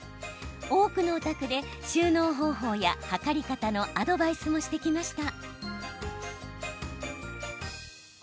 多くのお宅で収納方法や測り方のアドバイスもしてきました。